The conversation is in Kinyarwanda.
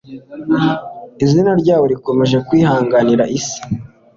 izina ryabo rikomeje kwihanganira isi